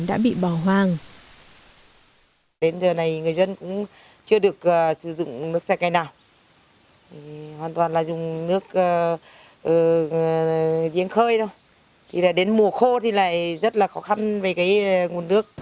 đã bị bỏ hoang